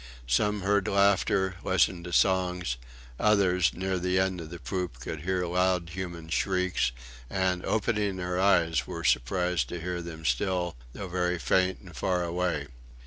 Some heard laughter, listened to songs; others, near the end of the poop, could hear loud human shrieks, and opening their eyes, were surprised to hear them still, though very faint, and far away.